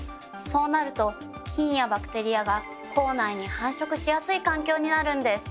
そうなると菌やバクテリアが口内に繁殖しやすい環境になるんです。